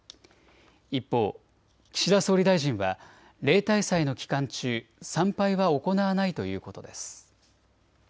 一方、岸田総理大臣は例大祭の期間中、参拝は行わないということです。